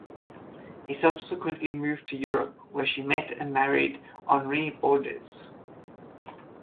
She subsequently moved to Europe, where she met and married Henri Bordes.